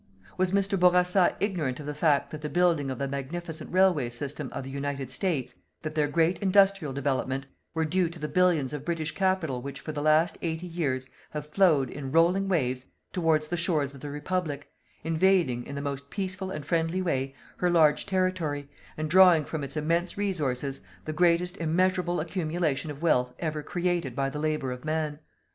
Was Mr. Bourassa ignorant of the fact that the building of the magnificent railway system of the United States, that their great industrial development, were due to the billions of British capital which for the last eighty years have flowed, in rolling waves, towards the shores of the Republic, invading, in the most peaceful and friendly way, her large territory, and drawing from its immense resources the greatest immeasurable accumulation of wealth ever created by the labour of man?